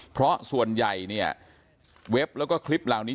เพราะส่วนใหญ่เนี่ยเว็บแล้วก็คลิปเหล่านี้